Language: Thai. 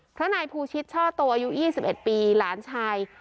เพราะนายภูชิตช่อโตอายุ๒๑ปีหลานชาย